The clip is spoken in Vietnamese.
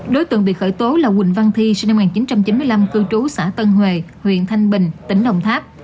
đối tượng bị khởi tố là quỳnh văn thi sinh năm một nghìn chín trăm chín mươi năm cư trú xã tân hòe huyện thanh bình tỉnh đồng tháp